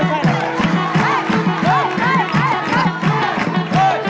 โอ้โฮ